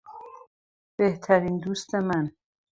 بهترین دوست من